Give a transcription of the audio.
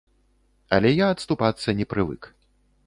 Але я адступацца не прывык.